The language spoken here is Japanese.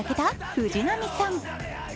藤浪さん。